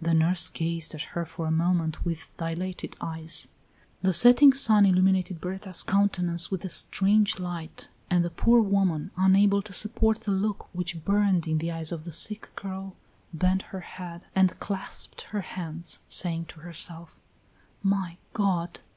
The nurse gazed at her for a moment with dilated eyes; the setting sun illumined Berta's countenance with a strange light, and the poor woman, unable to support the look which burned in the eyes of the sick girl, bent her head and clasped her hands, saying to herself: "My God!